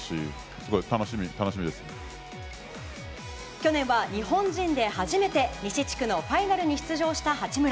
去年は日本人で初めて西地区のファイナルに出場した八村。